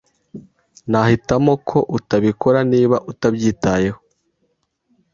Nahitamo ko utabikora, niba utabyitayeho.